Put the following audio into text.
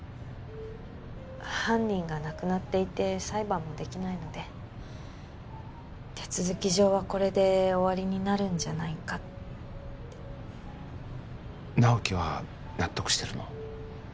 犯人が亡くなっていて裁判もできないので手続き上はこれで終わりになるんじゃないかって直木は納得してるの？